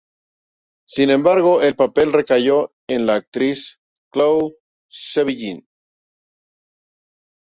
Sin embargo, el papel recayó en la actriz Chloë Sevigny.